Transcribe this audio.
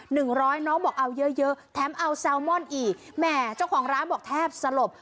หนึ่งร้อยน้องบอกเอาเยอะเยอะแถมเอาแซลมอนอีกแหมเจ้าของร้านบอกแทบสลบ